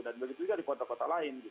dan begitu juga di kota kota lain